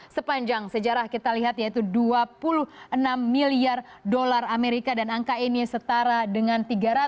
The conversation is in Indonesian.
sepanjang sejarah kita lihat yaitu dua puluh enam miliar dolar amerika dan angka ini setara dengan tiga ratus